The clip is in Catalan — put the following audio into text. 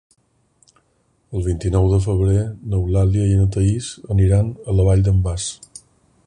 El vint-i-nou de febrer n'Eulàlia i na Thaís aniran a la Vall d'en Bas.